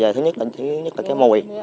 thứ nhất là cái mùi